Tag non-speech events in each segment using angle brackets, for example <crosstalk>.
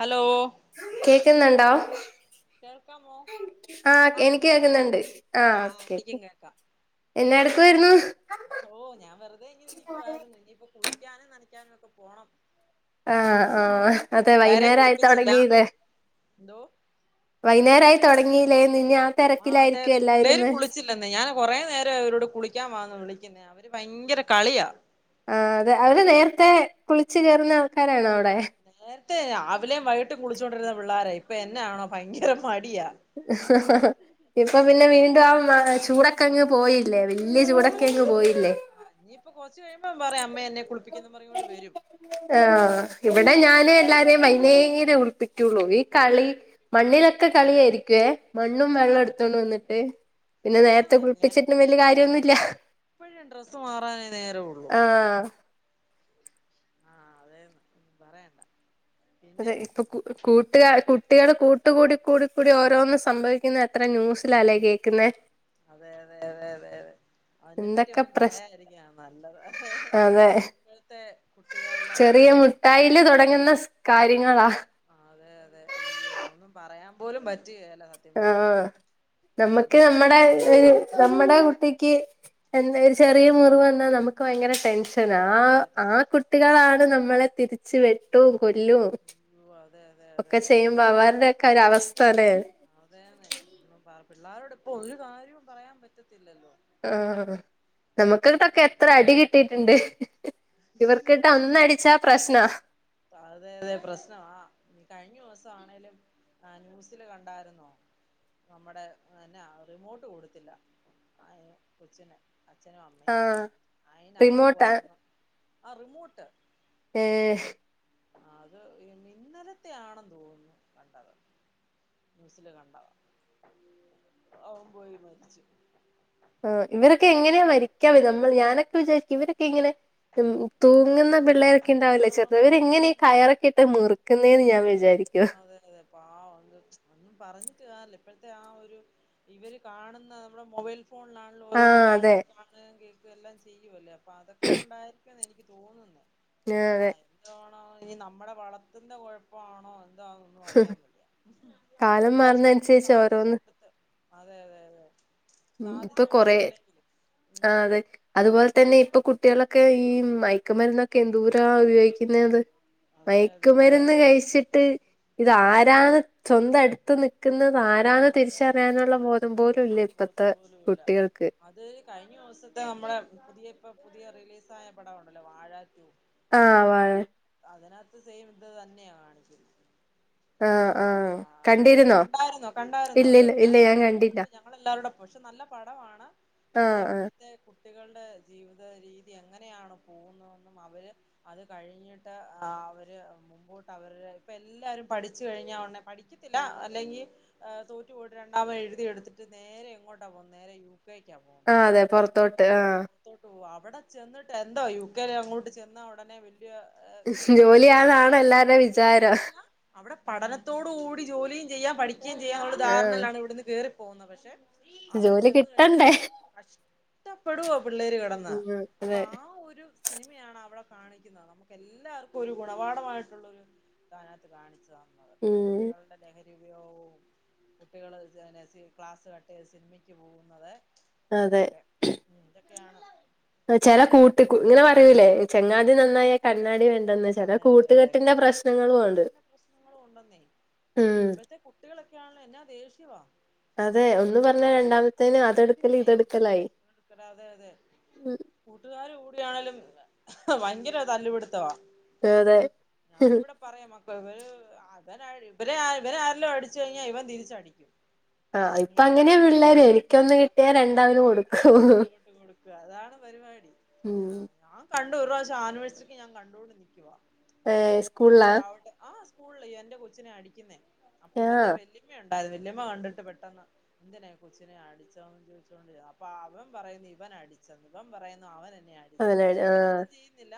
Hello <inaudible> കേക്ക്ന്നുണ്ടോ കേൾക്കാമോ ആഹാ ആഹ് എനിക്ക് കേൾക്കാം കേക്ക്ന്നുണ്ട്. ആഹാ ആഹ് ആഹ് എനിക്കും ഒക്കെയൊക്കെ കേൾക്കാം എന്നാട് എന്തുവായിരുന്നു ഓ ഞാ വെറുതെ ഇങ്ങനെ ഇരിക്കുവായിരുന്നു. ഇനിയിപ്പൊ കുളി ക്കാനും നനക്കാനുമൊക്കെ പോണം. ആഹ് ആ അതെ പിള്ളേരേം വൈകുന്നേരായി കുളിപ്പിച്ചില്ല തൊടങ്ങീന്ന് എന്തോ വൈകുന്നേരയിത്തുടങ്ങി ആഹ് അതെ അതെ പിള്ളേരും കുളിച്ചില്ലെന്നേ ഞാൻ കൊറെ നേരം ആയി അവരോട് കുളിക്കാൻ വാന്നു വിളി ക്ക്ന്ന്. അവര് ഭയങ്കര കളിയാ. ആ അതെ അവര് നേരത്തെ കുളിച്ചു കയറുന്ന ആൾക്കാരാണോ. അവിടെ നേരത്തെ രാവിലെയും വൈകിട്ടും കുളിച്ചോണ്ടിരുന്ന പിള്ളാരാ ഇ പ്പെ എന്നാണോ ഭയങ്കര മ ഇപ്പൊ പിന്നെ ആഹ് വീണ്ടും ആ മ ചൂട ക്കങ് പോയി. ല്ലേ വലിയ പോയി ചൂടൊക്കെ അങ്ങ് പോയില്ലേ ആഹ് ഇനിയിപ്പൊ കൊറച്ച് കഴിയുമ്പോ പറയും അമ്മേ എന്നെ കുളിപ്പിക്കെന്നും പറഞ്ഞോണ്ട് വരും ആഹ് ഇവിടെ ആഹ് ഞാനും എല്ലാരെയും വൈന്നേരെ കുളിപ്പിക്കുള്ളൂ ഈ കളി മണ്ണിലൊക്കെ കളിയായിരിക്കും ഓക്കെ മണ്ണും വെള്ളം അതെ എടുത്തോണ്ട് വന്നിട്ട് പിന്നെ അതെ നേരത്തെ അതേന്നെ കുളിപ്പിച്ചിട്ടും വലിയ നേ കാര്യൊന്നുമില്ല എപ്പഴും ഡ്രസ്സ് മാറാനേ നേരവുള്ളൂ ആഹ്. ആഹ് അതെന്ന് പറയണ്ട പിന്നെ അതെ ഇപ്പൊ കൂ ഒരു കൂ കുട്ടിക കുട്ടികള് കൂട്ട് കൂടി കൂടി കൂടി ഓരോന്നും സംഭവിക്കുന്ന എത്ര ന്യൂസിലാ ല്ലേ കേൾക്കുന്നേ അതെ അതെ അതെ അതെ അതെ അതിനെ പറ്റി എന്തൊക്കെ ഒന്നും പ്രശ് പറയാതിരിക്കാ നല്ലത് അതെ അതെ ഇപ്പോഴത്തെ കുട്ടികള്ടെ ചെറിയ മുട്ടായില് തൊടങ്ങുന്ന സ് കാര്യങ്ങളാ അയ്യോ അതൊന്നും പറയാൻ പോലും പ ആ നമ്മക്ക് പിന്നെ നമ്മടെ ഒര് നമ്മ്ടെ കു ട്ടിക്ക് എന്തെ ഒരു ചെറിയ മുറിവ് വന്നാ നമുക്ക് വയങ്കര ടെൻഷൻ ഷനാ അതെ ആ കുട്ടികളാണ് നമ് നമ്മളെ തിരിച്ച് വെട്ടും കൊല്ലും അയ്യോ അതെ അതെ അതെ ഒക്കെ അതെ ചെയ്യുമ്പോ അവര് ടെയൊക്കെ ഒരു അവസ് തലേ പിള്ളേരോട് ഇപ്പൊ ഒരു കാര്യവും പറയാൻ പറ്റത്തില്ലല്ലോ ആ നമ <unintelligible> എത്ര അടി കിട്ടീട്ട്ണ്ട് പ്രശ്നാ അതെ അതെ പ്രശ്നവാ കഴിഞ്ഞ വസം ആണേലും ആ ന്യൂസില് കണ്ടാര്ന്നോ നമ്മടെ എന്നാ റിമോട്ട് കൊടുത്തില്ല ആ കൊച്ചിന് അച്ഛനും അമ്മയും ആഹ് അയിനവൻ റിമോട്ടാ പോയങ്ങ് ആ റിമോട്ട് ഏ ആ അത് ഇന്നലത്തെ ആണെന്ന് തോന്നുന്നു കണ്ടത് ന്യൂസില് കണ്ടതാ അവൻ പോയി മരിച്ച് ആ ഇവരൊക്കെ എങ്ങനെയാ മരിക്ക <unintelligible> നമ്മൾ ഞാനൊക്കെ വിചാരിക്കും ഇവരൊക്കെ എങ്ങനെയാ തൂങ്ങുന്ന അത് പിള്ളേരൊക്കെ ഇണ്ടാവില്ലേ ആ ചെറുത് ഒന്നും ഇവരെങ്ങനെ പറഞ്ഞിട്ട് കയറൊക്കെ ഇട്ട് മുറുക്കുന്നേന്ന് ഞാൻ വിചാരിക്കുവാ അതെ അതെ പാവം അത് ഒന്നും പറഞ്ഞിട്ട് കാര്യല്ല ഇപ്പോഴത്തെ ആ ഒരു, ഇവര് കാണുന്ന നമ്മുടെ മൊബൈൽ <unintelligible> മൊബൈൽ ഫോണിലാണല്ലോ ഓരോന്ന് ആഹ് അതെ കാണുന്നെങ്കിൽ- എല്ലാം ചെയ്യുവലാ അതൊക്കെ കൊണ്ടായിരിക്കു <inaudible> ആഹ് ആ അതെ <unintelligible> നമ്മുടെ വളത്തിന്റെ കുഴപ്പ ആണോ എ <unintelligible> ഒന്നും അറിയാൻ കാലം പാടില്ലാ, ഇഷ്ടങ്ങളും മാറുന്നതനുസരിച്ച് സാധിച്ചു ഓരോന്ന് കൊടുത്ത് അതെതെതെ ഉം ഇപ്പൊ കൊറേ ആ ഉം അതെ അതുപോലെ തന്നെ ഇപ്പൊ കുട്ടികളൊക്കെ ഈ മൈ യക്ക്‌ മരുന്നൊക് എന്തൂരാ ഉപയോഗിക്കുന്നേത്. അതെ അതെ അതെ മയക്കുമരുന്ന് കഴിച്ചിട്ട് ഇത് ആരാണ് സ്വന്തം അടുത്ത് നിക്കുന്ന താരന്ന് തിരിച്ചറിയാനുള്ള ബോധം പോലും ഇല്ല പ്പം പോലൂല്ല കുട്ടികൾക്ക് അത് കഴിഞ്ഞ ദിവസത്തെ നമ്മുടെ പുതിയപ്പ പുതിയ റിലീസായ പടവാണല്ലോ വാഴ റ്റു ആ വാഴ അതിനകത്ത് സെയിം ഇത് തന്നെയ കാണിക്കല് ആഹ് ആഹ് ആഅഹ് കണ്ടിരുന്നോ കണ്ടായിരുന്നോ കണ്ടായിരുന്നോ അത് ഇല്ലില്ല ഞാൻ ഇല്ല ഞങ്ങള് കണ്ടില്ല കണ്ടു ഞങ്ങളെല്ലാരോടെ പോയി പക്ഷെ നല്ല പടമാണ് നമ്മുടെ ആഹ് ആഹ് ഇപ്പഴത്തെ കു- കുട്ടികളുടെ ജീവിത രീതി എങ്ങനെയാണ് പോകുന്നതൊന്നും അവര് അത് കഴിഞ്ഞി- ട്ട് അവര് മുമ്പോട്ട് അവര് ഇപ്പ എല്ലാരും പഠിച്ചു കഴിഞ്ഞാ ഒടനെ പഠിക്കത്തില്ല അല്ലെങ്കി അ തോറ്റുപോയിട്ട് രണ്ടാമ ത്എഴുതിയെടുത്തിട്ട് നേരെ എങ്ങോട്ടാപോവുന്നെ നേരെ യൂ ആ അതെ പൊറത്തോട്ട് ആഹ് തൊട്ട് അവടെ ചെന്നിട്ട് എന്തോ യു കെല് അങ്ങോട്ട് ചെന്ന ഉടനെ വി - ജോ ഒ ജോലി കിട്ടും അല്ലെങ്കി ജോലിയാന്നാണ് അവടെ എല്ലാരുടെ വിചാരം ജോലിന്നല്ല അവടെ പഠനത്തോടു കൂടി ജോലിയും ചെയ്യാൻ പഠി ഇനി എന്ത് ചെയ്യാ അവള് ധാരണ ആഹ് ഇല്ലാണ്ട് ഇവിടുന്ന് കേറി പോന്ന പക്ഷെ അവിടെ ജോലി ചെന്ന്‌ കഴിഞ്ഞാ കിട്ടണ്ടേ കഷ്ട്ട പ്പെടോം രു കിടന്ന ഉം അപ്പൊ അതെ ആ ഒരു സിനിമയാണ് അവിടെ കാണിക്കുന്നത്. നമുക്ക് എല്ലാർക്കു ഒരു ഗുണപഠമായിട്ടുള്ളൊരു സ്ഥാനത്ത് കാണിച്ചതാണ്. അതെ ഉം കുട്ടികളുടെലഹ ദിവിഔ കുട്ടികള് സന ക്ലാസ് കട്ടയ്തു സിനിമയ്ക്ക് പോകുന്നത് അതെ ഇതൊക്കെ ഉം ഇതൊക്കെയാണ് ചെല കൂട്ട്, കു ഇങ്ങനെ പറയൂലേ ചെങ്ങാതി നന്നായ കണ്ണാടി വേണ്ട അതെ അതെ അതെ ഉണ്ട് കൂട്ടുകെട്ടിന്റെ പ്രശ്നങ്ങളും ഒണ്ടെന്നേ ഏയ് ഉം ഇപ്പോഴത്തെ കുട്ടികളൊ - ക്കാണ് എന്നാ ദേഷ്യവാ അതെ ഒന്ന് പറഞ്ഞ രണ്ടാമത്തേന് അതെടുക്കല് പിന്നെ ഇതെടുക്കലായി അതെ അതെ ഉമ് ഭ അഹ് ഭയങ്കര തല്ലുപിടുത്തവാ തെ അതെ ഹ് ഹ് ഇപ്പവര് അതന ഇവരെ ഇവരെ ആരെല്ലും അടിച്ചു കഴിഞ്ഞാൽ ഇവൻ തിരിച്ചടിക്കും ആ അങ്ങനെയാ ഇപ്പങ്ങനെയാ പിള്ളേര് ഇക്കൊന്ന് കിട്ടിയാ രണ്ടവന് കൊടുക്കും അത്ര അങ്ങോട്ട് കൊടുക്കുക മ് മ് പണ്ട് ഒരുപ്രാവശ്യം ആനുവേഴ്സറിക്ക് ഞാൻ കണ്ടോണ്ട് നിക്കുവാ ഏ ഇസ്ക്ലൂളിലാ സ്ക്ലൂളില്ല് എന്റെ കൊച്ചിനെ അടിക്കുന്നേ അപ്പ ആഹ് ഇവന്റെ വല്ലയമ്മയോ അത് വല്യമ്മ കണ്ടിട്ട് പെട്ടെന്ന് എന്തിന കൊച്ചിനെ അടിച്ചോന്ന് ചോദിച്ചോണ്ട് അപ്പൊ അവൻ പറയുന്നു ഇവൻ അടിച്ചന്ന് ഇവൻ പറയുന്നു അവൻ ആഅടിച്ചെന്ന് ടിച്ചന്ന് മുതലാളി പക്ഷെ ആഹ് ഇവനൊന്നും ചെയ്യുന്നില്ല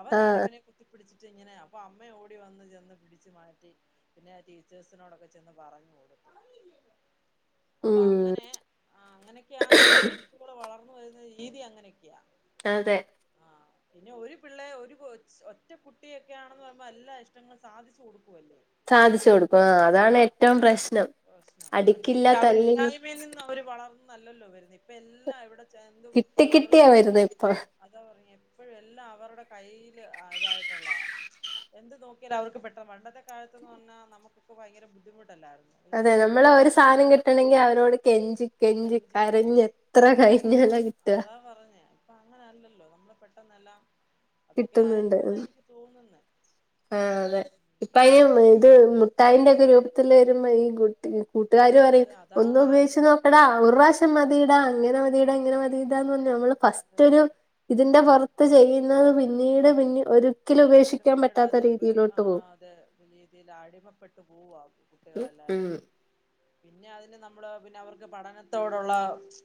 അവനാണ് ആഹ് ഇവനെ കുത്തിപ്പിടിച്ച് ഇങ്ങനെ അപ്പൊ അമ്മ ഓടി വന്ന് ചെന്ന് പിടിച്ചു മാറ്റി പിന്നെ ടീച്ചേഴ്സിനോടൊക്കെ ചെന്ന് പറഞ്ഞ് അപ്പ ഉം അങ്ങനെ ആഹ് അങ്ങനെയൊക്കെ ആ ഇപ്പോഴത്തെ കുട്ടികൾ വളർ ന്നു വരുന്ന രീതി അങ്ങനെയൊക്കെയാ അതെ ആ പിന്നെ ഒരു പിള്ളെ ഒരു കൊച്ച് ഒറ്റ കുട്ടിയൊക്കെയാണെന്ന് പറയുമ്പോ എല്ലാ ഇഷ്ടങ്ങളും സാധിച്ചു കൊടു സാധിച്ചു കൊടുക്കും ആ അതാണ് ഏറ്റവും പ്രശ്നം അടിക്കില്ല തല്ലി ഇല്ലായ്മയിൽ നിന്ന് അവർ വളർന്നില്ല നല്ലല്ലോ വരുന്നേ ഇപ്പ എല്ലാം ഇവിടെ എന്തും കിട്ടി കിട്ടിയാ അവർക്ക് വരുന്നെ പെട്ടെന്ന് ഇപ്പൊ അതാ പറഞ്ഞ എപ്പോഴും എല്ലാം അവരുടെ കയ്യില് ആഹ് ഇതായിട്ടുള്ളതാ. എന്ത് നോക്കിയാൽ അവർക്ക് പെട്ടെന്ന് പണ്ടത്തൊലത്ത് എന്ന് പറഞ്ഞാൽ നമുക്ക്കൊ ക്കെ ഭയങ്കര ബുദ്ധിമുട്ട് ല്ലായിരുന്നോ ഒരു അതെ സാധനം നമ്മളെ ഒരു സാധനം വാങ്ങിക്കാനുള്ളത് കിട്ടണെങ്കി അവരോട് കെഞ്ചി കെഞ്ചി ചെഞ്ചിപ്പ കരഞ്ഞ് എത്ര അതാ പ- കഴിഞ്ഞാല കിട്ടുക അതാ ന്നല്ലാം അതൊക്കെ കിട്ടുന്നുണ്ട് ആയിരിക്കും ന്നാ എനിക്ക് തോന്നുന്നെ ആഹ് അതെ ഇപ്പ ഉം. അതിന് ഇത് മുഠായിന്റെ ഒക്കെ രൂപത്തിൽ വരുമ്പോ ഈ കുട്ടി കൂട്ടുകാര് പറയും അതെ അതാ ഒന്ന് ഉപയോഗിച്ച് ആരും നോക്കടാ ഒരു പ്രാവശ്യം അതെ മതിയിടാ അങ്ങനെ മതിടാ അതെ ഇങ്ങനെ മതിടാന്ന് പറഞ്ഞു നമ്മൾ ഫസ്റ്റ് അതെ ഒരു അതെ ഇതിന്റെ ഉം പുറത്ത് ചെയ്യുന്നത് പിന്നീട് ചെയ്യും പിന്ന ഒരിക്കലും പിന്നീട് ഉപേക്ഷിക്കാൻ പറ്റ പിന്നീട് അത് ആഹ് അത രീതിയിൽ അടിമപ്പെട്ട് പോവോ മ് പിന്നെ അതിന് നമ്മള് പിന്നെ അവർക്ക് പഠനത്തോടുള്ള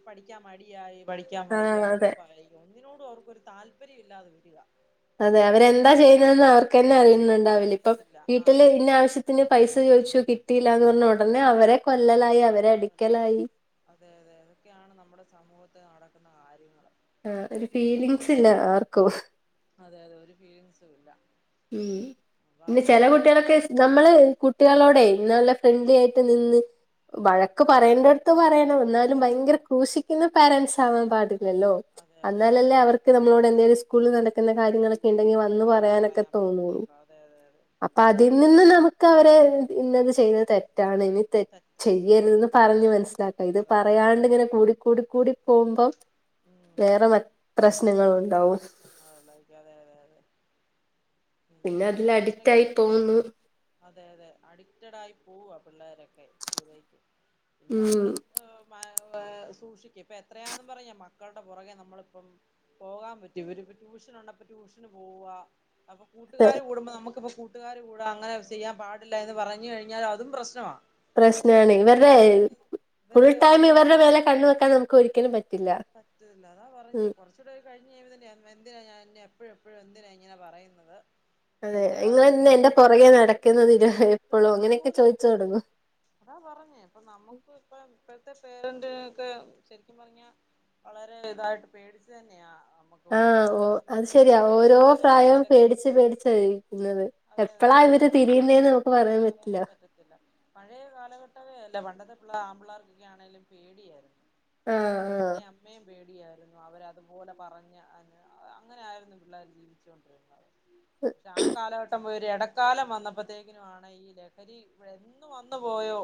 പഠിക്കാൻ മടിയായി പഠിക്കാൻ ആഹ് വയ്യ അതെ വെറുപ്പായി <inaudible> താല്പര്യ ഇല്ലാതെ വരിക അതെ അവരെന്താ അതാണ് ചെയ്യുന്നെന്ന് അവർക്കെന്നെ അറിയ്ന്ന്ണ്ടാവില്ല ഇപ്പം അറിയത്തില്ല ആ വീട്ടില് ഇന്ന ആവശ്യത്തിന് പൈസ ചോദിച്ചു കി ട്ടീല്ലാന്ന് പറഞ്ഞ ഉടനെ അവരെ കൊല്ലലായി അവരെ അടി ക്കലായി <inaudible> കാര്യങ്ങള് ആ ഒരു ഫീലിങ്സ് ഇല്ല ആർക്കും അതെ അതെ ഒരു ഫീലിങ്സും ഇല്ല ഉം അപ്പൊ പിന്നെ അവര് ചെല ഇഷ്ടങ്ങൾ കുട്ടികളൊക്കെ നമ്മള് കുട്ടികളോടെ നല്ല ഫ്രണ്ട്ലി ആയിട്ട് നിന്ന് വഴക്ക് പറയണ്ട ട്ത്ത് പറയണം എന്നാലും പറയാ ഭയങ്കര ക്രൂശിക്കുന്ന പേരൻസ് അവന് ഉം പാടില്ലല്ലോ അതെ അതെ അതെ അന്നാലല്ലേ അതെ അവർക്ക് നമ്മളോട് എന്തേലും സ്കൂളി നട <unintelligible> കാര്യങ്ങള് ഇണ്ടെങ്കി വന്ന് പ പറയാനൊക്കെ പറയാൻ പറ്റത്തുള്ളൂ അതെ അതെ അതെ അപ്പ അതിൽ നിന്ന നമുക്ക് അവ <unintelligible> ഇന്നത് ചെയ്യുന്നത് തെറ്റാണ് ഇ തെ തെറ്റാണ് ചെയ്യരുതന്ന് അതെ പറഞ്ഞ് അതെ മനസ്സിലാക്കാം ഇത് പറഞ്ഞ് മനസ്സില പറയാണ്ടിങ്ങനെ കൂടി കൂടി കൂടി പോവുമ്പം ഉം വേറെ <unintelligible> പ്രശ്നങ്ങളുണ്ടാവും പ്രശ്നങ്ങളുള്ളായിരിക്കും അതെ അതെ അതെ പിന്നെ അതിൽ <unintelligible> അഡിക്റ്റ് ഇങ്ങനെയൊക്കെയ ആയി പിന്നെ പോകുന്നു അതെ അതെ അഡിക്റ്റഡ് ആയി പോവ പിള്ളേരെ <unintelligible> ഉം നമ്മള് <unintelligible> സൂക്ഷിക്ക ഇപ്പെ എത്രയാന്നും പറഞ്ഞ മക്കളുടെ പുറകെ നമ്മളിപ്പം പോകാൻ പറ്റോ ഇവരിപ്പം ട്യൂഷൻ ഉണ്ട് അപ്പോ ട്യൂഷന് പോവുവാ അപ്പം കൂട്ടുകാര് കൂടുമ്പോ നമുക്കിപ്പം സ്കു കൂട്ടുകാര് കൂടെ അങ്ങനെ ചെയ്യാൻ പാടില്ല എന്ന് പറഞ്ഞു കഴിഞ്ഞാൽ അതും പ്രശ്നവ പ്രശ്നാണ് ഇവർടെ ആര് ഫുൾ ഇവരെ ടൈം ഇവരുടെ മേലെ കണ്ണ് വെക്കാൻ നമുക്ക് ഒരിക്കലും പ പറ്റുന്നത അതാ പറഞ്ഞേ കുറച്ചുടെയൊക്കെ കഴിഞ്ഞ് കഴിയുമ്പ <unintelligible> എന്തിന ഞൻ എപ്പൊഴും എപ്പൊഴും എന്തിനാ ഇങ്ങനെ പറയുന്നത് അതെ എന്റെ ഇങ്ങളെന്നെ എന്റെ പുറകെ കരയമൊക്കെ നടക്കുന്നത് ഇരു <unintelligible> എപ്പളും നടക്കുന്നതെന്ന് അങ്ങനെയൊക്കെ ചോദിച്ചു തുടങ്ങും ചോദിക്കും അതാ പറഞ്ഞേ അപ്പൊ നമ്മുക്ക് ഇപ്പം ഇപ്പഴ്ത്തെ പെര <unintelligible> ശെരിക്കും പറഞ്ഞ വളരെ ഇതായിട്ട് പേടിച്ച് തന്നെയാ നമുക്ക് ആഹ് മുമ്പോട്ട് ഓ പോകാൻ അത് പറ്റത്തുള്ളൂ ശരിയാ പഴയ ഓരോ പ്രായവും കാലഘട്ടത്തിലൊക്കെ പേടിച്ച് ആണെങ്കി പേടിച്ചാ ഇരിക്കുന്നത് അതെ അതെ എപ്പളാ ഇവര് പണ്ടത്തെ തിരിയുന്നേന്ന് നമുക്ക് പറയാൻ പറ്റില്ല പഴയ കാലഘട്ടവേ അല്ലേ പണ്ടത്തെ പിള്ള ആൺപിള്ളേർക്കൊക്കെ ആണേലും പേടിയായിരുന്നു ആ നെ അമ്മയേ പേ ടിയായിരുന്നു അവര അതുപോലെ പറഞ്ഞ് അങ്ങനെ ആയിരുന്നു പിള്ളേർ ജീവിച്ചുണ്ടിരുന്നത് ആ കാലഘട്ടം പോ ഇടക്കാലം വന്നപ്പോത്തേക്കിനു ആണ് ഈ ലഹരി എന്ന വന്നു പോയോ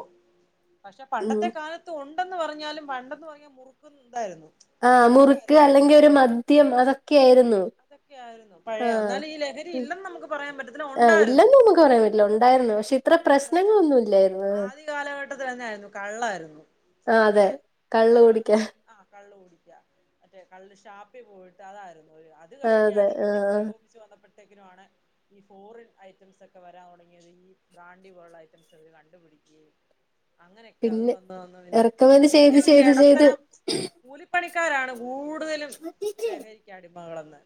പക്ഷെ പണ്ടത്തെ ഉം കാലത്ത ഉ വണ്ടെന്ന് പറഞ്ഞാലും പണ്ടെന്നേ പറഞ്ഞാൽ മുറ ണ്ടായിരിന്നു ആ മുറുക്ക് അല്ലെങ്കി ഒരു മദ്യം അതൊക്കെയായിരുന്നു അതൊക്കെയ ആയിരുന്നു പഴയ ആഹ് എന്നാലും ഈ ലഹരി ഉം ഇല്ലെന്ന് നമുക്ക് പറയാൻ പറ്റത്തി ആഹ് ഉണ്ടായിരുന്നു ഇല്ലെന്ന് നമുക്ക് പറയാൻ പറ്റില്ല ഉണ്ടായിരുന്നു പക്ഷെ ഇത്ര ചെറുപ്പം തൊട്ടെ പ്രശ്നങ്ങളൊന്നും ഇല്ലായിരുന്നു ആദ്യ കാലഘട്ടത്തി തന്നൊയിരുന്നു കള്ളായിരുന്നു ആഹ് അതെ നമ്മുടെ കള്ള് കുടിക്കാൻ ആ കള്ള് കുടിക്ക മറ്റേ കള്ള് ഷാപ്പി പോയിട്ട് അതാരുന്നു ഒരു അത് ആഹ് അതെ കഴിഞ്ഞാണ് പിന്നെ ആഹ് ആഹ് പുരോഗമിച്ചു വന്നട്ടത് ട്ടക്കിനു ആണ് ഈ ഫോറിൻ ഐറ്റംസ് ഒക്കെ വരാൻ തുടങ്ങിയത് ഈ ബ്രാണ്ടി പോലുള്ള ഐറ്റംസ് അവര് കണ്ടുപിടിക്കുകയും അങ്ങനെയൊക്കെ അത് പിന്നെ വന്നന്നു പിന്നെ റെക്കമെന്റ് പിന്നത്തെ ചെയ്ത് ഒരു ചെയ്ത് ചെയ്ത് ഇടത്തരം കൂലിപ്പണി ക്കാരാണ് ഗൂൺ ടുതലും ലഹരിക്കടിമ മങ്ങളന്ന്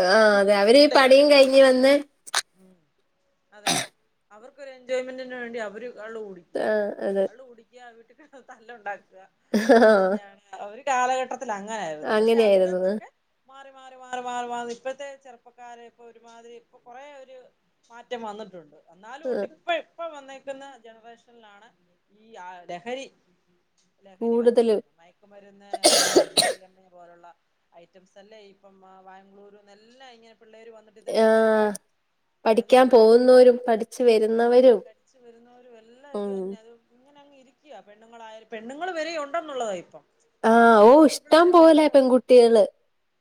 ആ ആ അതെ അവരീ പണീം കഴിഞ്ഞ് വന്ന് ഉം അതെ അവർക്കൊരു എൻജോയ്മെന്റിന് വേണ്ടി അവര് കള്ള് ആ കുടിക്യാ അതെ കള്ള് കുടിക്യാ വീട്ടി തല്ല ഉണ്ടാക്കി ആ അതൊെയാണ് അവ കാലഘട്ട അങ്ങനൊയിരുന്നു പക്ഷെ അതിൽ അങ്ങനെയായിരുന്നു നിന്നൊക്കെ മാറി മാറി മാറി മാറി മാറി ഇപ്പഴത്തെ ചെറുപ്പക്കാരെ ഇപ്പൊ ഒരുമാതിരി ഇപ്പ കുറെേ ഒരു മാറ്റം വന്നിട്ടുണ്ട് എന്നാലും ആ ഒണ്ട് ഇപ്പ ഇപ്പ വന്നേ ുന്ന ജനറേഷനിലാണ് ഈ ആ ലഹരി ലഹരി കൂടുതലും വന്നേരിക്കുന്നു മയക്കുമരുന്ന്മ്മെ പോലുള്ള ഐറ്റംസ് അല്ലേ ഇപ്പം ബാംഗ്ലൂരുന്ന എല്ലാം ഇങ്ങനെ പിള്ളേര് വന്നട്ട് ഇതല്ലേ ആ പരിപാടി അത് പഠിക്കാൻ പോകുന്നോരും പഠിച്ചു വരുന്നവരും പടിച്ചു വരുന്നോരു എല്ലാം ഇത് ഉം തന്നെയാ അത് ഇങ്ങനെ അങ്ങ് ഇരിക്കയാ പെൺ പണ്ണങ്ങളര പെണ്ണങ്ങൾ വരെയ ഉണ്ടെന്നുള്ളതാണ് ഇപ്പം ആ പണ്ടെന്ന് ഓ പറഞ്ഞ ഇഷ്ടം ആമ്പിളർ പോലെ മാത്രമേള്ള പെൺകുട്ടികള്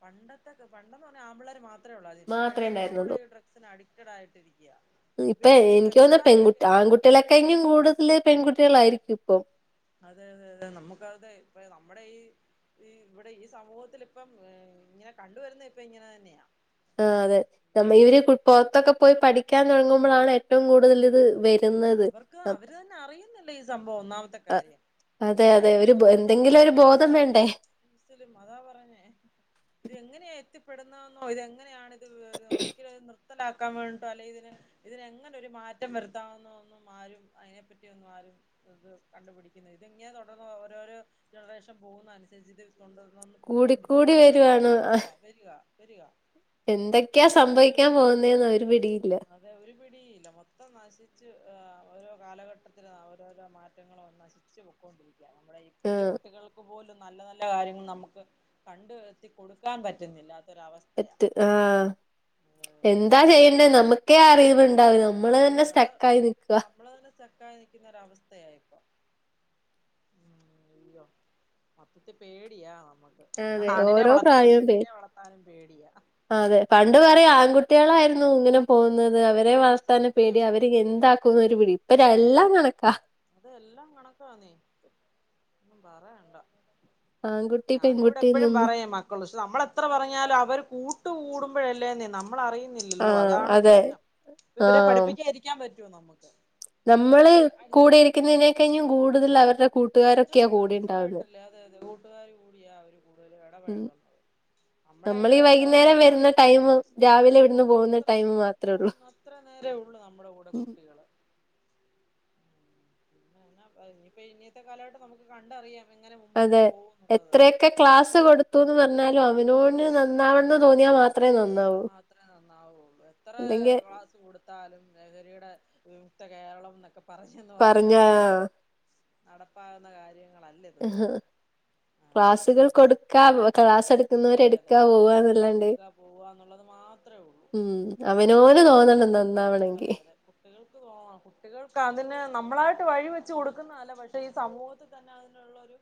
പണ്ടത്തെൊക്കെ പണ്ടെന്ന് പറഞ്ഞാൽ ആമ്പിളേർ മാത്രേ ഉള്ളൂ അത് ഇപ്പൊ മാത്രേ പെണ്ണുങ്ങളും കൂടെ ഉണ്ടായിരുന്നുള്ളൂ നടുക്കടായിട്ടിരി ഇപ്പൊ എനിക്ക് തോന്ന പെൺകു ആൺകുട്ടിയേളെക്കായ്നും കൂടുതല് പെൺകു കുട്ടികളായിരിക്കും ഇപ്പം. <inaudible> ആഹ് അതെ നമ്മ അയ്യോ ഇവര് പുറത്തൊക്കെ പോയി പഠി ഠിക്കാൻ തുടങ്ങുമ്പളാണ് ഏറ്റവും കൂടുതൽ ഇത് അതയതെ. വരുന്നത് അവർക്ക് അവര് തന്നെ അറിയുന്നില്ല ഈ സംഭവം ഒന്നാമത്തെ കാര്യം അതെ അതെ തന്നെ ഒരു ബോ- എന്തെങ്കിലും ഒരു ഓട്ടോമാറ്റിക് ആയിട്ട് ബോധം പല പല വേണ്ടേ സിലും അതാ പറഞ്ഞേ ഇത് എങ്ങനെയാ എത്തി പ്പെടുന്ന എന്നോ ഇതെങ്ങനെയാണ് സ്സ്ലാക്കാൻ വേണ്ട്ട്ടോ അല്ലെങ്കിൽ ഇതിന് ഇതിനെങ്ങനെ ഒരു മാറ്റം വര് ഈ കാണുന്നതൊന്നും ആരും അയിനെപ്പറ്റി ഒന്നും ആരും ഇത് കണ്ടുപിടിക്കുന്ന ഇതങ്ങനാ തുടർന്ന് ഓരോരോ ജനറേഷൻ പോകുന്നതനുസരിചിട്ട് <inaudible> കൂടിക്കൂടി പ്പൊക്കോണ്ടിരിക്കാ വരുവാണ് വരിക വരിക <unintelligible> എന്തൊക്കെയാ അയ്യോ സംഭവിക്കാൻ പോവ് ന്നെന്ന് ഒര് പിടിയില്ല ആഹ് ഓരോ കാലഘട്ടത്തി ഓരോരോ മാറ്റങ്ങളും നശിച്ച് പൊക്കൊണ്ടിരിക് നമ്മുടെ ഈ പുതിയ ആഹ് കുട്ടികൾക്ക് പോലും നല്ല നല്ല കാര്യങ്ങൾ നമുക്ക് കണ്ട് എത്തി കൊടുക്കാൻ പറ്റുന്നില്ല എത്ത് ആഹ് എന്താ ചെയ്യണ്ടെ നമക് ഒക്കെ അറീവ്ണ്ടാകണം മ്മള് തന്നെ സ്റ്റെക്ക ആയി നിക്ക്‌വാ സ്റ്റെക്കായി നൽക്കുന്ന ഒരവസ്ഥയാ ഇപ്പം അയ്യോ മക്കക്ക് പേടിയാ നമ്മക്ക് ആതെ ആണിനെ ഓരോ വളർത്താനും പ്രായം പെണ്ണിനെ പേടി വളർത്താനും പേടിയാ അതെ പണ്ട് പറിം ആൺകുട് കുട്ട്യേളായിരുന്നു ഇങ്ങനെ പോവുന്നെ ത് അവരെ ആഹ് വാർത്താന് സത്യം പേടിയ അവര് എന്താക്കുന്ന് ഒരു പിടി ഇപ്പ എല്ലാം കണക്കാ അതെല്ലാം കണക്കാ ന്നെ ഒന്നും പറയാണ്ട ആൺകുട്ടി ഞാൻ ഇവ്ടെ എപ്പഴും പെൺകുട്ടിന്നൊന്നും പറയും മക്കൾ ക്ഷെ നമ്മൾ എത്ര പറഞ്ഞാലും അവർ കൂട്ട് കൂടു പ്പയല്ലേന്നെ നമു നമ്മൾ അറിയുന്നില്ലല്ലോ ആഹ് അതാണ് അതെ പ്രശ്നം അപ്പ. ഇവരെ ആഹ് പഠിപ്പിക്കാൻ ഇരിക്കാൻ പറ്റ് ട്ടോ നമ്മക്ക് നമ്മള് കൂടെ ഇരിക്കുന്നതിനെ കയ്ഞ് കൂടുതൽ അവർ അരെ ഫ്രണ്ട്സ ആയിട്ടല്ലേ അതെ അതെ കൂട്ടുകാർ കൂടിയാ അവര് കൂടുതൽ ഉം ഇടപഴകുന്നത് നമ്മുടെ നമ്മളീ ഇവിടെ എത്ര വൈകുന്നേരം നേര വരുന്ന ടൈം രാവിലെ ഇവിടുന്ന് പോകുന്ന അത്ര ടൈം മാത്രേ ഉള്ളൂ പോകുന്ന അത്ര നേരേ ഉള്ളു നമ്മുടെ കൂടെ കുട്ടികള് ഇനിയിപ്പ ഇന്നത്തെ കാലഘട്ടം നമുക്ക് കണ്ടറിയാം എങ്ങനെ മുമ്പോട്ട് അതെ പോകുന്നുള്ളത് എത്രയൊക്കെ ക്ലാസ് കൊടുത്തുന്ന് പറ എന്നാലും അതെ അവനോന് അതെ നന്നാവന്ന് തോന്നിയാൽ മാത്രേ നന്നാ മാത്രമേ നന്നാവുള്ളു എത്ര അല്ലെങ്കിൽ ക്ലാസ്സ് കൊടുത്താലും ലഹരിയുടെ വിമുക്ത കേരളം ന്നൊക്കെ പ പറഞ്ഞന്ന് പറഞ്ഞ പറഞ്ഞാലും നടപ്പാവുന്ന കാര്യം ക്ലാസ്സുകൾ കൊടുക്കാ ക്ലാസ് എടുക്കുന്നവരെ അതെ അതെ എടുക്കാ പോവന്നല്ലാണ്ട് എടുക്കുക പോവുക എന്നുള്ളത് മാത്രമേ ഉള്ളൂ ഉം അവനോന് തോന്നണം നന്നാവണെങ്കി അതെ അതെ കുട്ടികൾക്ക് തോന്നണം കുട്ടികൾക്ക് അതിന് നമ്മളായിട്ട് വഴി വെച്ച് കൊടുക്കുന്നതല്ല പക്ഷെ ഈ സമൂഹത്തിൽ തന്നെ അതിനുള്ള ഒരു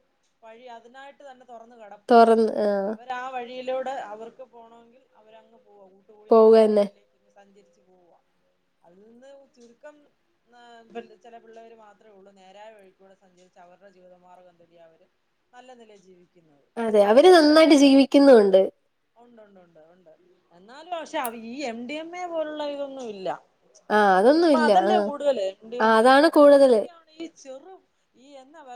വഴി അതിനായിട്ട് തന്നെ തുറന്ന് കിടപ്പുണ്ട് തുറന്ന് അവർ ആ വഴിയിലൂടെ അവർക്ക് പോണോങ്കിൽ അവരങ്ങ് പോ കട്ടുകൂടി അങ്ങനെ ആ പോവന്നെ വഴിയിലേക്ക് സഞ്ചരിച്ച് പോവാ അതിൽ നിന്ന് ചുരുക്കം ചില പിള്ളവര് മാത്രമേ ഉള്ളൂ നേരായ വഴി കൂടെ സഞ്ചരിച്ച് അവരുടെ ജീവിതമാർഗം തേടി അവര് നല്ല നിലയിൽ ജീവിക്ക അതെ അവര് നന്നായിട്ട് ജീവിക്കുന്നുണ്ട് ഉണ്ട് ഉണ്ട് ഉണ്ട് ഉ എന്നാലും പക്ഷെ ഈ എം ഡി എം എ പോലുള്ള ഇതൊന്നും ഇല്ല ആഹ് അതൊന്നും ഇപ്പൊ ഇല്ല ആ അതല്ലേ കൂടുതല് ആ അതാണ് കൂടുതല് ചെറും ഈ എന്ന വ